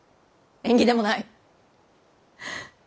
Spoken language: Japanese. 縁起でもない！